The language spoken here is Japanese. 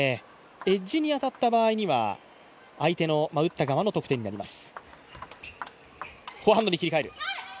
エッジに当たった場合には打った側の得点になります。